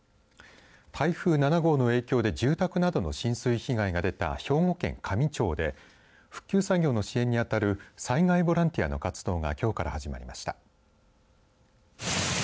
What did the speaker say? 台風７号の影響で住宅などの浸水被害が出た兵庫県香美町で復旧作業の支援に当たる災害ボランティアの活動がきょうから始まりました。